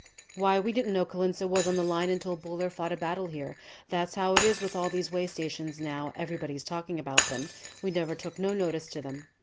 "Why, we didn't know Colenso was on the line until Buller fought a battle here. That's how it is with all these way stations now. Everybody's talking about them. We never took no notice to them."